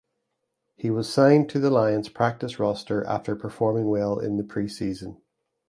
He was signed to the Lions practice roster after performing well in the preseason.